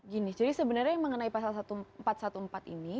gini jadi sebenarnya yang mengenai pasal empat ratus empat belas ini